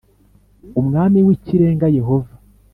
Umwami w Ikirenga Yehova